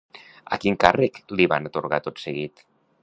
I quin càrrec li van atorgar tot seguit?